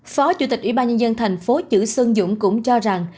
phó chủ tịch ủy ban nhân dân thành phố chử xuân dũng cũng cho rằng